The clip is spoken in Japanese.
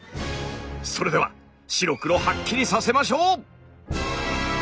それでは白黒はっきりさせましょう！